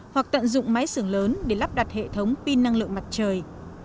hoặc tận dụng máy xưởng lớn để lắp đặt hệ thống pin năng lượng mặt trời